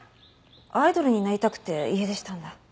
アイドルになりたくて家出したんだ。